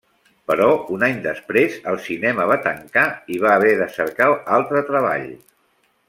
Però un any després el cinema va tancar i va haver de cercar altre treball.